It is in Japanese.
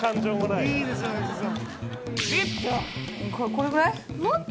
これぐらい？